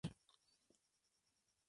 Estudió en Villarreal y Onda.